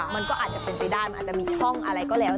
มันก็อาจจะเป็นไปได้มันอาจจะมีช่องอะไรก็แล้ว